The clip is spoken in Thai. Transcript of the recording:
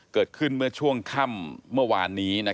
เกิดขึ้นเมื่อช่วงค่ำเมื่อวานนี้